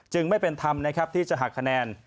ไม่เป็นธรรมนะครับที่จะหักคะแนน